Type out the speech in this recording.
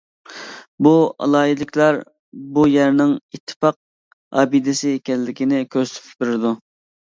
بۇ ئالاھىدىلىكلەر بۇ يەرنىڭ ئىتتىپاق ئابىدىسى ئىكەنلىكىنى كۆرسىتىپ بېرىدۇ.